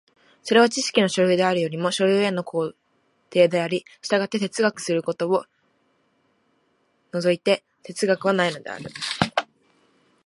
それは知識の所有であるよりも所有への行程であり、従って哲学することを措いて哲学はないのである。